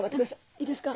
いいですか？